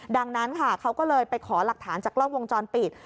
ดังนั้นค่ะเขาก็เลยไปขอหลักฐานจากกล้องวงจรปิด